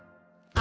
「あ！